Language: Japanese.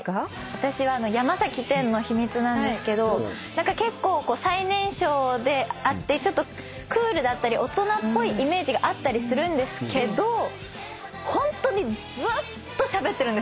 私は山天の秘密なんですけど何か結構こう最年少であってちょっとクールだったり大人っぽいイメージがあったりするんですけどホントにずっとしゃべってるんですよ。